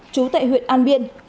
chú tại huyện an biên